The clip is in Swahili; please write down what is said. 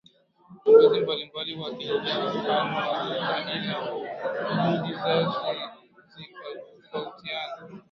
Viongozi mbalimbali wakaiga mfano wa Luther ila juhudi zao zikatofautiana